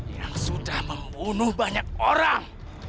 yang sudah membunuh banyak orang